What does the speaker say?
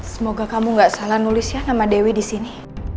semoga kamu gak salah nulisnya nama dewi di sini